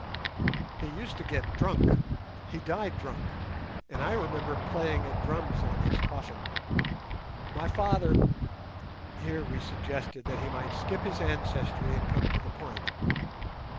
He used to get drunk—he died drunk, and I remember playing at drums on his coffin. My father—" Here we suggested that he might skip his ancestry and come to the point.